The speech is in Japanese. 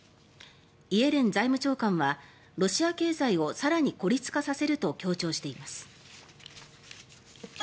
イエレン財務長官はロシア経済を更に孤立化させると強調しています。